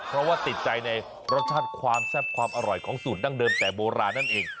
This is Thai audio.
เพราะว่าติดใจในรสชาติความแซ่บความอร่อยของสูตรดั้งเดิมแต่โบราณนั่นเอง